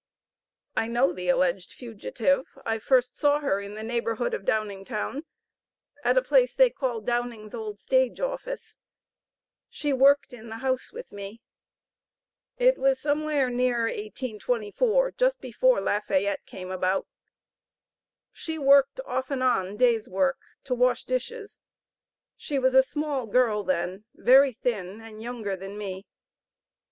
I know the alleged fugitive. I first saw her in the neighborhood of Downingtown, at a place they call Downing's old stage office; she worked in the house with me; it was somewhere near 1824, just before Lafayette came about; she worked off and on days' work, to wash dishes; she was a small girl then, very thin, and younger than me.